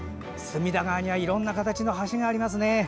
隅田川には、いろんな形の橋がありますね。